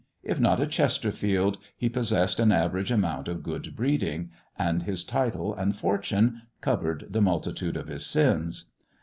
If not a Chesterfield, he pos sessed an average amount of good breeding, and his title and fortune covered the multitude of his sins.